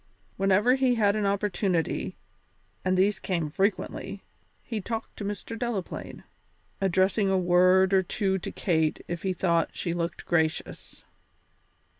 Whenever he had an opportunity, and these came frequently, he talked to Mr. Delaplaine, addressing a word or two to Kate if he thought she looked gracious.